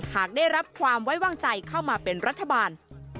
หากได้รับความไว้วางใจเข้ามาเป็นรัฐบาล